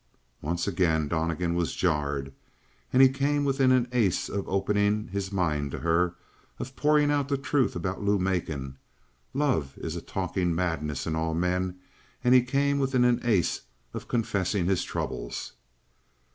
Once again Donnegan was jarred, and he came within an ace of opening his mind to her, of pouring out the truth about Lou Macon. Love is a talking madness in all men and he came within an ace of confessing his troubles.